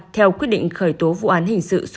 theo quyết định khởi tố vụ án hình sự